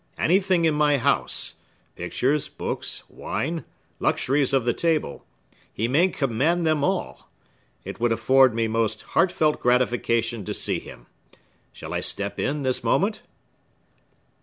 Anything in my house,—pictures, books, wine, luxuries of the table,—he may command them all! It would afford me most heartfelt gratification to see him! Shall I step in, this moment?"